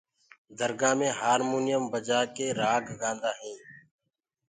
درگآه مي هآمونيم بجآ ڪآ رآڳ گآندآ هينٚ۔